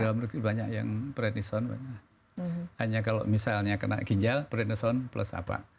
oh bisa bisa banyak yang prednison banyak hanya kalau misalnya kena ginjal prednison plus apa